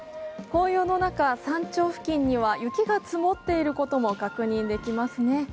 紅葉の中、山頂付近には雪が積もっていることも確認できますね。